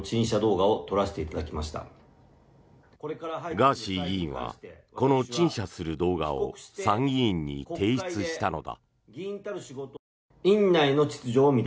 ガーシー議員はこの陳謝する動画を参議院に提出したのだ。